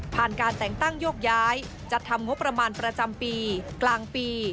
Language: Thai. การแต่งตั้งโยกย้ายจัดทำงบประมาณประจำปีกลางปี